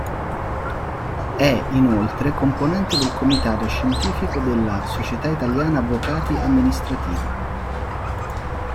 È, inoltre, componente del Comitato scientifico della "Società italiana avvocati amministrativi".